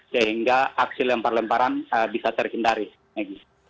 sehingga aksi lempar lemparan bisa terhindari megi